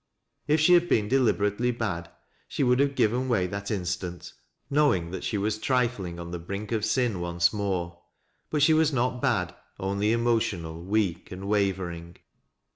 If she had been deliberately bad, she would have given way that instant, knowing that she was trifling on the brink of sin once more. But she was not bad, only emotional, weak and wavering.